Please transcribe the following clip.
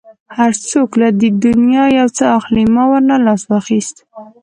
هر څوک له دې دنیا یو څه اخلي، ما ورنه لاس واخیست.